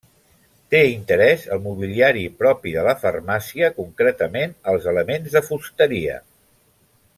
Té interès el mobiliari propi de la farmàcia, concretament els elements de fusteria.